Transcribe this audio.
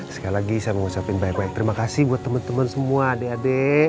sekali lagi saya mau ucapin terima kasih buat temen temen semua adek adek